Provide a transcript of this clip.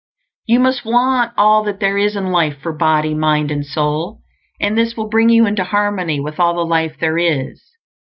You must want all that there is in life for body, mind, and soul; and this will bring you into harmony with all the life there is.